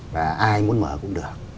và ai muốn mở cũng được